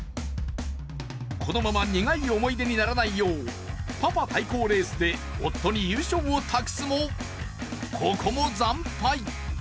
このまま苦い思い出にならないようパパ対抗レースで夫に優勝を託すも、ここも惨敗。